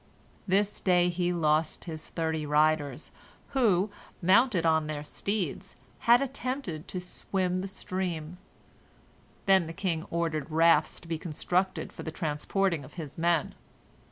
This day he lost his thirty riders, who, mounted on their steeds, had attempted to swim the stream. Then the king ordered rafts to be constructed for the transporting of his men.